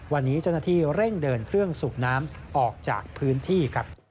วันนี้เจ้าหน้าที่เร่งเดินเครื่องสูบน้ำออกจากพื้นที่ครับ